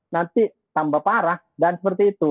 nanti tambah parah dan seperti itu